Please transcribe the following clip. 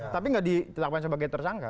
tapi nggak ditetapkan sebagai tersangka